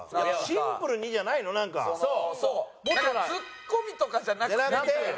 ツッコミとかじゃなくてみたいな。